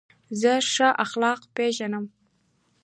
زه ښه اخلاق پېژنم.